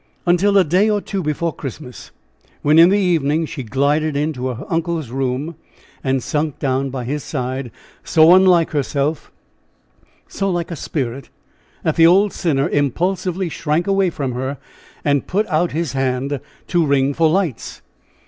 Until a day or two before Christmas, when, in the evening, she glided in to her uncle's room and sunk down by his side so unlike herself; so like a spirit that the old sinner impulsively shrank away from her, and put out his hand to ring for lights.